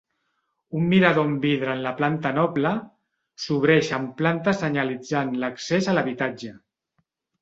Un mirador amb vidre en la planta noble, sobreïx en planta senyalitzant l'accés a l'habitatge.